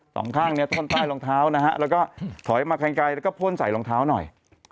สองข้างเนี่ยท่อนใต้รองเท้านะฮะแล้วก็ถอยมาไกลแล้วก็พ่นใส่รองเท้าหน่อย